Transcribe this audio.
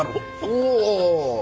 おお！